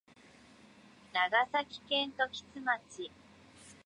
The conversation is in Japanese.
長崎県時津町